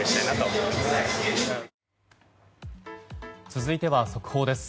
続いては速報です。